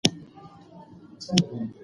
موږ باید د نورو نظرونو ته احترام ولرو.